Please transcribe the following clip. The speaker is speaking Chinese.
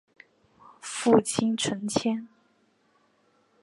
父亲陈谦。